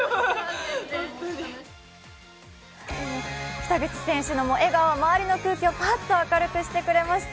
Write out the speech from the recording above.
北口選手の笑顔、周りの空気をパッと明るくしてくれました。